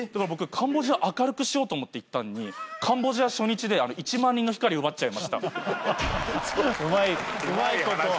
カンボジア明るくしようと思って行ったのにカンボジア初日で１万人の光奪っちゃいました。